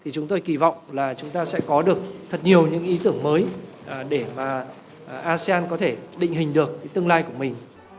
chúng tôi kỳ vọng là chúng ta sẽ có được thật nhiều những ý tưởng mới để mà asean có thể định hình được tương lai của mình